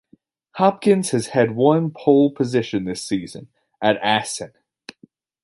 Hopkins has had one pole position this season, at Assen.